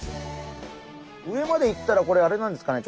上まで行ったらこれあれなんですかね？